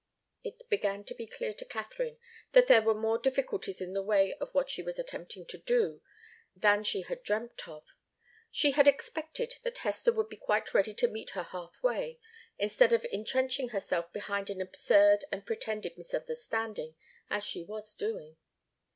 It began to be clear to Katharine that there were more difficulties in the way of what she was attempting to do, than she had dreamt of. She had expected that Hester would be quite ready to meet her half way, instead of intrenching herself behind an absurd and pretended misunderstanding, as she was doing.